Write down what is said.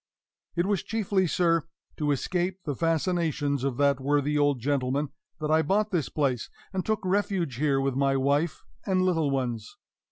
It was chiefly, sir, to escape the fascinations of that worthy old gentleman that I bought this place, and took refuge here with my wife and little ones.